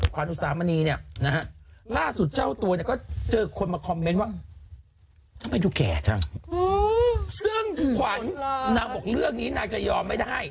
ขวานนางบอกเรื่องนี้นางจะยอมไม่ได้